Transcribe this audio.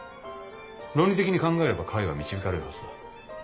論理的に考えれば解は導かれるはずだ。